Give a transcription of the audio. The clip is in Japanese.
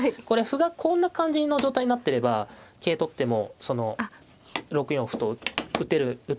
これ歩がこんな感じの状態になってれば桂取ってもその６四歩と打って。